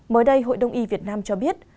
mới đây hội đồng y việt nam cho biết